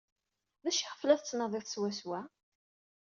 D acu iɣef la tettnadiḍ swaswa?